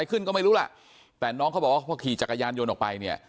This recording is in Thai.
ขึ้นก็ไม่รู้ล่ะแต่น้องเขาบอกว่าพอขี่จักรยานยนต์ออกไปเนี่ย